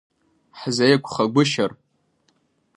Ҳзеиқәхагәышьар…